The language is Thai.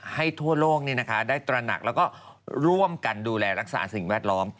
ทั่วโลกได้ตระหนักแล้วก็ร่วมกันดูแลรักษาสิ่งแวดล้อม